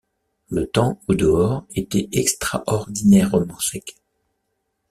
Le temps, au-dehors, était extraordinairement sec.